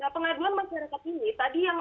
nah pengaduan masyarakat ini